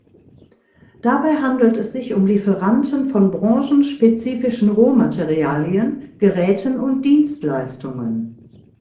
Dabei handelt es sich um Lieferanten von branchenspezifischen Rohmaterialien, Geräten und Dienstleistungen.